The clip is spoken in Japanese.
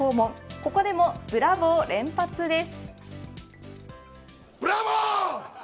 ここでもブラボー連発です。